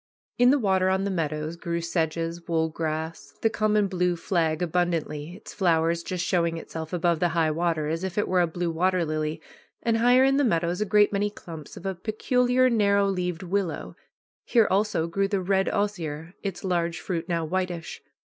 In the water on the meadows grew sedges, wool grass, the common blue flag abundantly, its flower just showing itself above the high water, as if it were a blue water lily, and higher in the meadows a great many clumps of a peculiar narrow leaved willow. Here also grew the red osier, its large fruit now whitish.